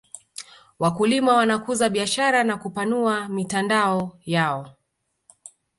wakulima wanakuza biashara na kupanua mitandao yao